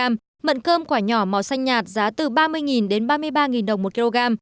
mận cơm quả nhỏ màu xanh nhạt giá từ ba mươi đến ba mươi ba đồng một kg